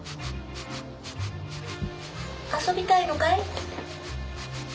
遊びたいのかい？